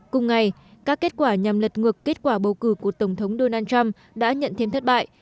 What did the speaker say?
cùng ngày các kết quả nhằm lật ngược kết quả bầu cử của tổng thống donald trump đã nhận thêm thất bại